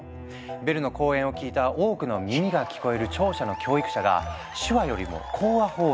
ベルの講演を聴いた多くの耳が聞こえる聴者の教育者が手話よりも口話法を支持。